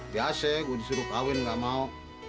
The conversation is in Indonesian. biasa gue disuruh kawin gak mau